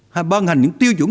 hay ban hành những tiêu chuẩn